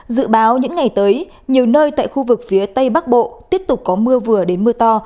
dự báo những ngày tới nhiều nơi tại khu vực phía tây bắc bộ tiếp tục có mưa vừa đến mưa to